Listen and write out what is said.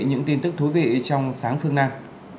những tin tức thú vị trong sáng phương nam